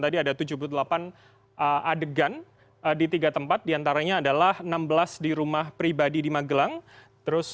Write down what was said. tadi ada tujuh puluh delapan adegan di tiga tempat diantaranya adalah enam belas di rumah pribadi di magelang terus